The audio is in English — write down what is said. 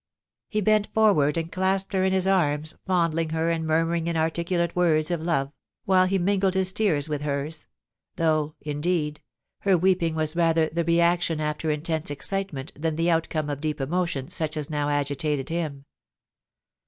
He bent forward and clasped her in his arms, fondling her and murmuring inarticulate words of love, while he mingled his tears with hers, though, indeed, her weeping was rather the reaction after intense excitement than the outcome of deep emotion such as now agitated him.